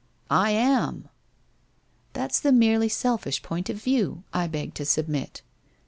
I am/ ' That's the merely selfish point of view, I beg to submit.'